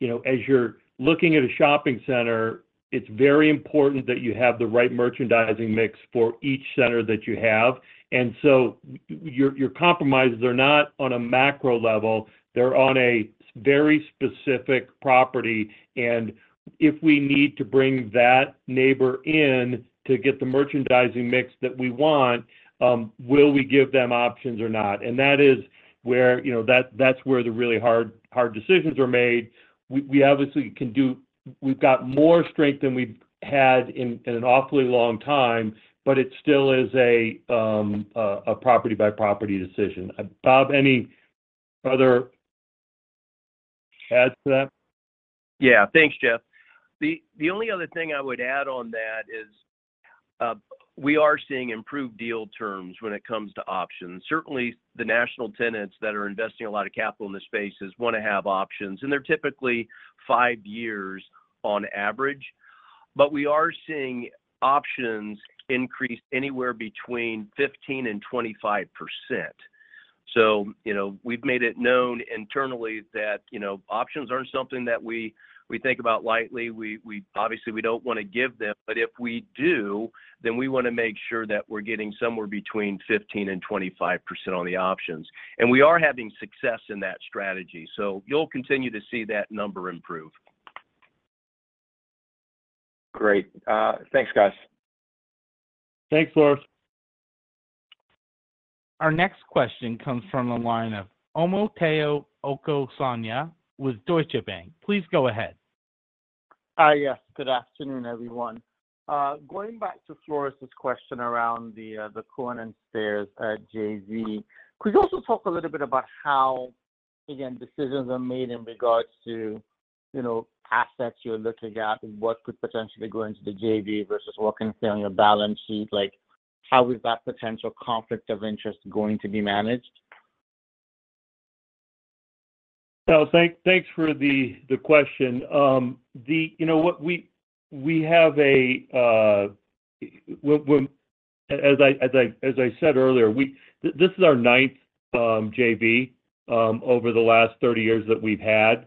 as you're looking at a shopping center, it's very important that you have the right merchandising mix for each center that you have. And so your compromises are not on a macro level. They're on a very specific property. If we need to bring that neighbor in to get the merchandising mix that we want, will we give them options or not? That is where the really hard decisions are made. We obviously can do. We've got more strength than we've had in an awfully long time, but it still is a property-by-property decision. Bob, any other adds to that? Yeah. Thanks, Jeff. The only other thing I would add on that is we are seeing improved deal terms when it comes to options. Certainly, the national tenants that are investing a lot of capital in the spaces want to have options. And they're typically five years on average. But we are seeing options increase anywhere between 15–25%. So we've made it known internally that options aren't something that we think about lightly. Obviously, we don't want to give them. But if we do, then we want to make sure that we're getting somewhere between 15–25% on the options. And we are having success in that strategy. So you'll continue to see that number improve. Great. Thanks, guys. Thanks, Floris. Our next question comes from a line of Omotayo Okusanya with Deutsche Bank. Please go ahead. Hi. Yes. Good afternoon, everyone. Going back to Floris' question around the Cohen & Steers JV, could you also talk a little bit about how, again, decisions are made in regards to assets you're looking at and what could potentially go into the JV versus what can stay on your balance sheet? How is that potential conflict of interest going to be managed? So thanks for the question. We have, as I said earlier, this is our ninth JV over the last 30 years that we've had.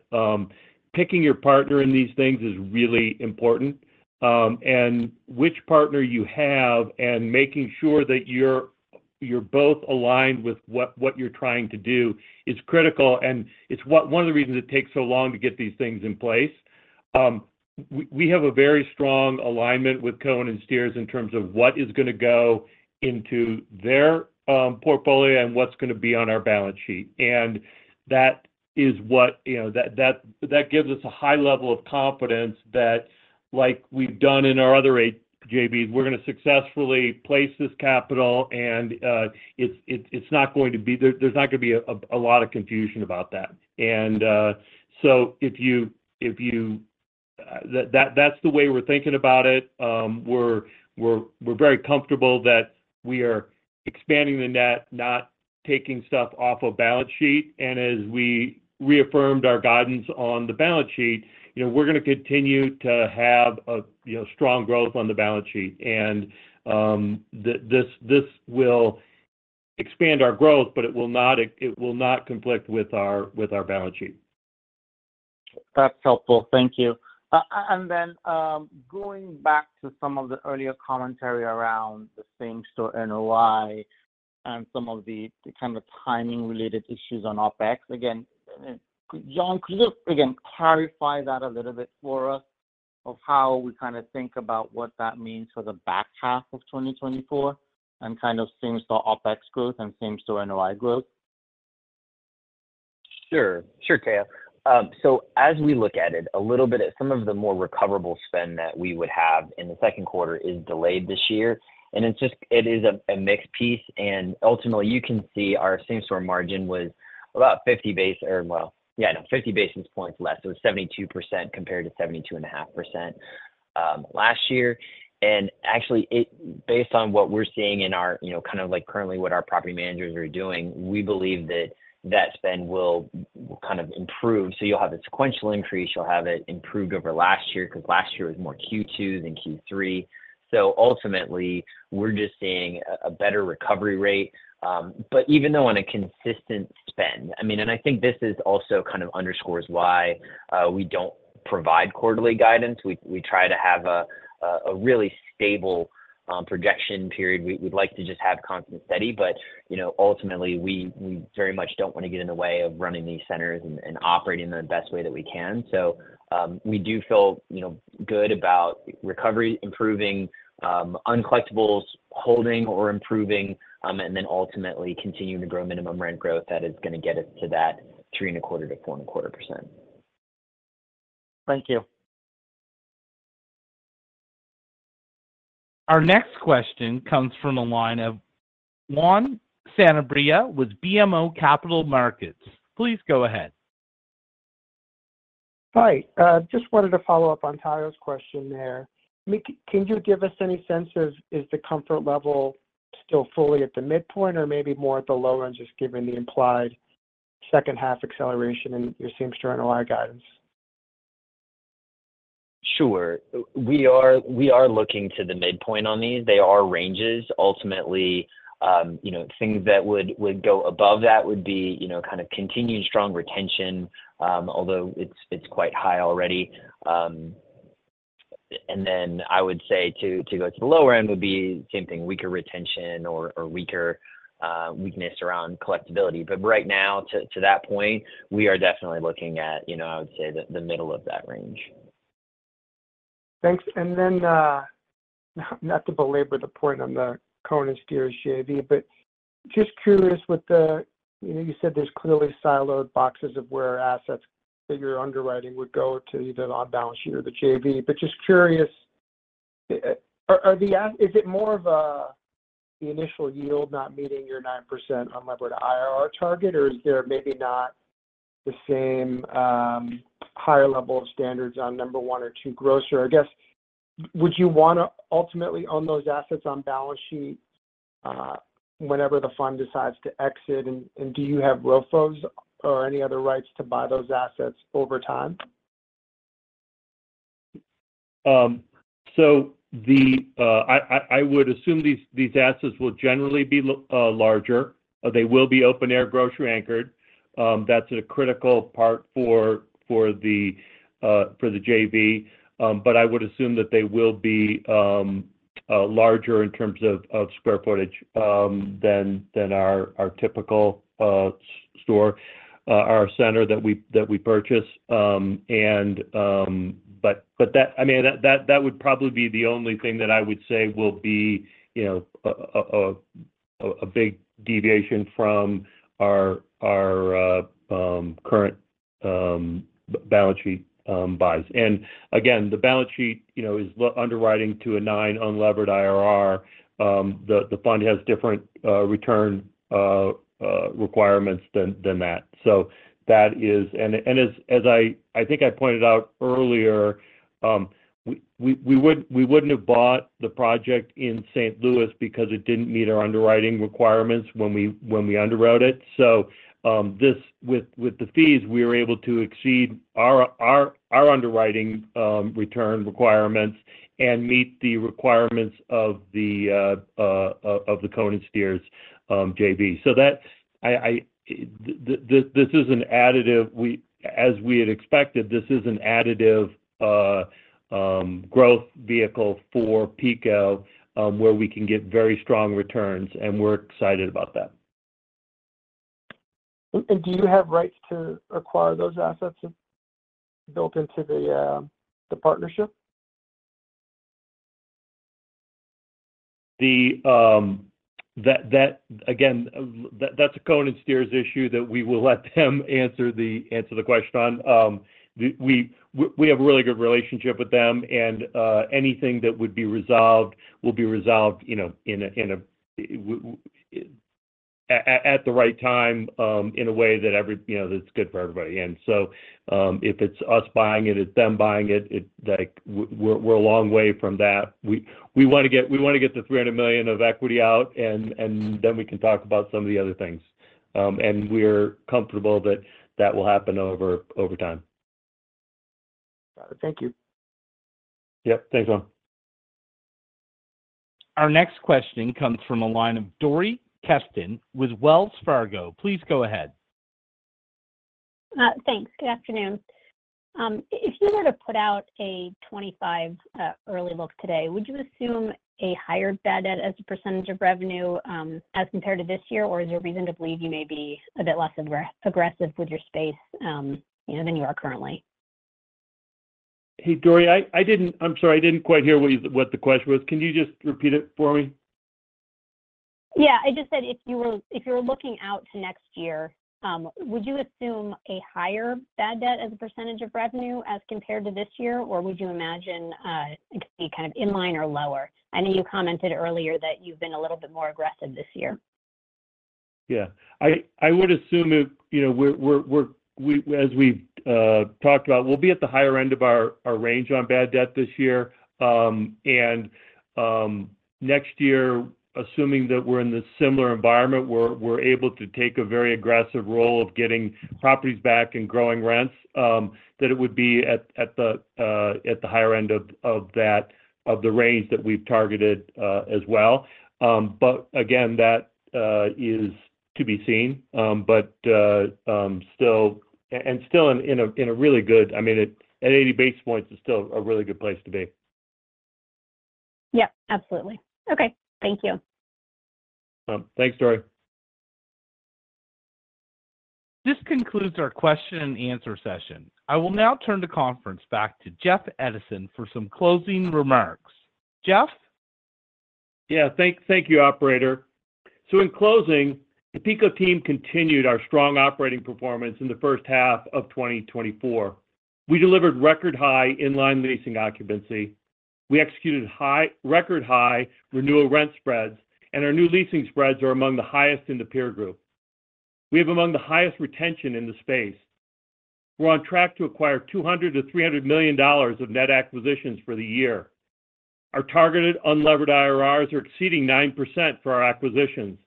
Picking your partner in these things is really important. And which partner you have and making sure that you're both aligned with what you're trying to do is critical. And it's one of the reasons it takes so long to get these things in place. We have a very strong alignment with Cohen & Steers in terms of what is going to go into their portfolio and what's going to be on our balance sheet. And that is what gives us a high level of confidence that, like we've done in our other eight JVs, we're going to successfully place this capital. And it's not going to be. There's not going to be a lot of confusion about that. And so if you that's the way we're thinking about it. We're very comfortable that we are expanding the net, not taking stuff off of balance sheet. And as we reaffirmed our guidance on the balance sheet, we're going to continue to have strong growth on the balance sheet. And this will expand our growth, but it will not conflict with our balance sheet. That's helpful. Thank you. And then going back to some of the earlier commentary around the same store NOI and some of the kind of timing-related issues on OpEx, again, John, could you again clarify that a little bit for us of how we kind of think about what that means for the back half of 2024 and kind of same store OpEx growth and same store NOI growth? Sure. Sure. So as we look at it, a little bit of some of the more recoverable spend that we would have in the second quarter is delayed this year. And it is a mixed piece. And ultimately, you can see our same store margin was about 50 basis or well, yeah, no, 50 basis points less. It was 72% compared to 72.5% last year. And actually, based on what we're seeing in our kind of currently what our property managers are doing, we believe that that spend will kind of improve. So you'll have a sequential increase. You'll have it improved over last year because last year was more Q2 than Q3. So ultimately, we're just seeing a better recovery rate. But even though on a consistent spend, I mean, and I think this also kind of underscores why we don't provide quarterly guidance. We try to have a really stable projection period. We'd like to just have constant steady. But ultimately, we very much don't want to get in the way of running these centers and operating them the best way that we can. So we do feel good about recovery, improving uncollectibles, holding or improving, and then ultimately continuing to grow minimum rent growth that is going to get us to that 3.25–4.25%. Thank you. Our next question comes from a line of Juan Sanabria with BMO Capital Markets. Please go ahead. Hi. Just wanted to follow up on Todd's question there. Can you give us any sense of is the comfort level still fully at the midpoint or maybe more at the low end just given the implied second half acceleration in your same store NOI guidance? Sure. We are looking to the midpoint on these. They are ranges. Ultimately, things that would go above that would be kind of continued strong retention, although it's quite high already. And then I would say to go to the lower end would be same thing, weaker retention or weaker weakness around collectibility. But right now, to that point, we are definitely looking at, I would say, the middle of that range. Thanks. And then not to belabor the point on the Cohen & Steers JV, but just curious with the you said there's clearly siloed boxes of where assets that you're underwriting would go to either the on-balance sheet or the JV. But just curious, is it more of the initial yield not meeting your 9% unlevered IRR target, or is there maybe not the same higher level of standards on number one or two grocer? I guess, would you want to ultimately own those assets on balance sheet whenever the fund decides to exit? And do you have ROFOs or any other rights to buy those assets over time? So I would assume these assets will generally be larger. They will be open-air, grocery-anchored. That's a critical part for the JV. But I would assume that they will be larger in terms of square footage than our typical store, our center that we purchase. But I mean, that would probably be the only thing that I would say will be a big deviation from our current balance sheet buys. And again, the balance sheet is underwriting to a 9% unlevered IRR. The fund has different return requirements than that. So that is and as I think I pointed out earlier, we wouldn't have bought the project in St. Louis because it didn't meet our underwriting requirements when we underwrote it. So with the fees, we were able to exceed our underwriting return requirements and meet the requirements of the Cohen & Steers JV. This is an additive as we had expected. This is an additive growth vehicle for PECO, where we can get very strong returns. We're excited about that. Do you have rights to acquire those assets built into the partnership? Again, that's a Cohen & Steers issue that we will let them answer the question on. We have a really good relationship with them. And anything that would be resolved will be resolved at the right time in a way that's good for everybody. And so if it's us buying it, it's them buying it. We're a long way from that. We want to get the $300 million of equity out, and then we can talk about some of the other things. And we're comfortable that that will happen over time. Got it. Thank you. Yep. Thanks, Juan. Our next question comes from a line of Dori Kesten with Wells Fargo. Please go ahead. Thanks. Good afternoon. If you were to put out a 2025 early look today, would you assume a higher bad debt as a percentage of revenue as compared to this year, or is there a reason to believe you may be a bit less aggressive with your space than you are currently? Hey, Dori, I'm sorry. I didi't quite hear what the question was. Can you just repeat it for me? Yeah. I just said if you were looking out to next year, would you assume a higher bad debt as a percentage of revenue as compared to this year, or would you imagine it could be kind of in line or lower? I know you commented earlier that you've been a little bit more aggressive this year. Yeah. I would assume as we've talked about, we'll be at the higher end of our range on EBITDA this year. And next year, assuming that we're in this similar environment, we're able to take a very aggressive role of getting properties back and growing rents, that it would be at the higher end of the range that we've targeted as well. But again, that is to be seen. But still, and still in a really good I mean, at 80 basis points, it's still a really good place to be. Yep. Absolutely. Okay. Thank you. Thanks, Dori. This concludes our question-and-answer session. I will now turn the conference back to Jeff Edison for some closing remarks. Jeff? Yeah. Thank you, Operator. So in closing, the Phillips Edison team continued our strong operating performance in the first half of 2024. We delivered record-high inline leasing occupancy. We executed record-high renewal rent spreads, and our new leasing spreads are among the highest in the peer group. We have among the highest retention in the space. We're on track to acquire $200-$300 million of net acquisitions for the year. Our targeted unlevered IRRs are exceeding 9% for our acquisitions.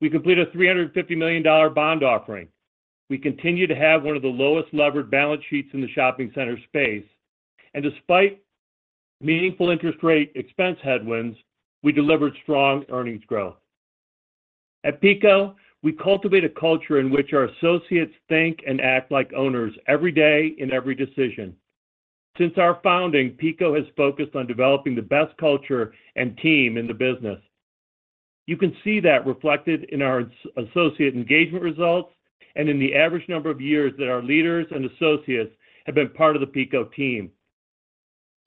We completed a $350 million bond offering. We continue to have one of the lowest levered balance sheets in the shopping center space. And despite meaningful interest rate expense headwinds, we delivered strong earnings growth. At Phillips Edison, we cultivate a culture in which our associates think and act like owners every day in every decision. Since our founding, PECO has focused on developing the best culture and team in the business. You can see that reflected in our associate engagement results and in the average number of years that our leaders and associates have been part of the PECO team.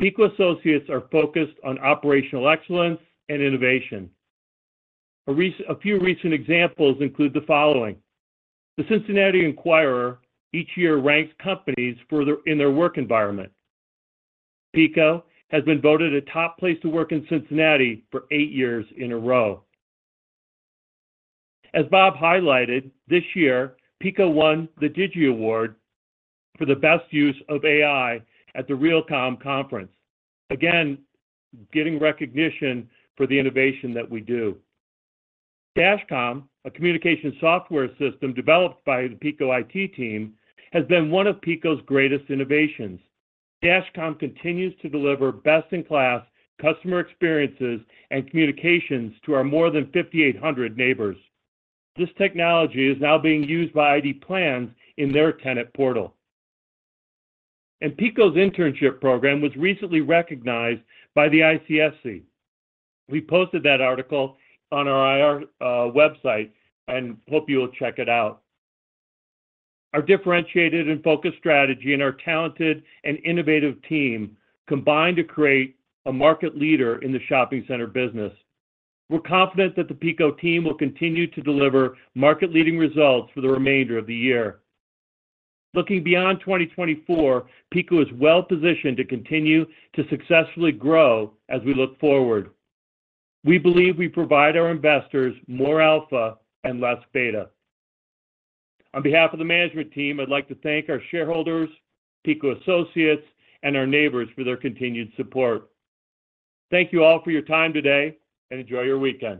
PECO associates are focused on operational excellence and innovation. A few recent examples include the following. The Cincinnati Enquirer each year ranks companies in their work environment. PECO has been voted a top place to work in Cincinnati for eight years in a row. As Bob highlighted, this year, PECO won the Digie Award for the best use of AI at the Realcomm Conference. Again, getting recognition for the innovation that we do. DashComm, a communication software system developed by the PECO IT team, has been one of PECO's greatest innovations. DashComm continues to deliver best-in-class customer experiences and communications to our more than 5,800 neighbors. This technology is now being used by ID Plans in their tenant portal. PECO's internship program was recently recognized by the ICSC. We posted that article on our IR website, and hope you will check it out. Our differentiated and focused strategy and our talented and innovative team combine to create a market leader in the shopping center business. We're confident that the PECO team will continue to deliver market-leading results for the remainder of the year. Looking beyond 2024, PECO is well-positioned to continue to successfully grow as we look forward. We believe we provide our investors more alpha and less beta. On behalf of the management team, I'd like to thank our shareholders, PECO associates, and our neighbors for their continued support. Thank you all for your time today, and enjoy your weekend.